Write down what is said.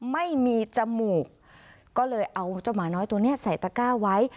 ไม่มีจมูกก็เลยเอาเจ้าหมาน้อยตัวนี้ใส่ตะก้าไว้